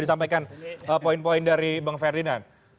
disampaikan poin poin dari bang ferdinand